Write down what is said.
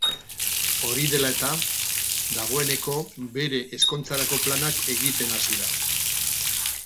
Hori dela eta, dagoeneko bere ezkontzarako planak egiten hasi da.